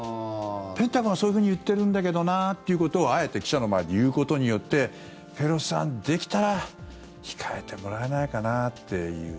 ペンタゴンはそういうふうに言ってるんだけどなということをあえて記者の前で言うことによってペロシさん、できたら控えてもらえないかなっていう。